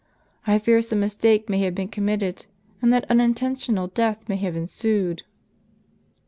I fear some mistake may have been committed, and that unintentional death may have ensued."